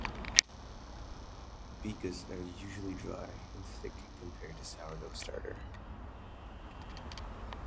Bigas are usually dry and thick compared to a sourdough starter.